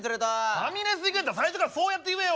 ファミレス行くんやったら最初からそうやって言えよ！